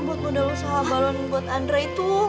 buat modal usaha balon buat andra itu